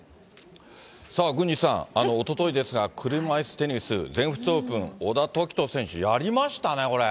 さあ、郡司さん、おとといですが、車いすテニス、全仏オープン、小田凱人選手やりましたね、これ。